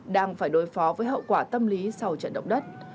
đang phải đối phó với hậu quả tâm lý sau trận động đất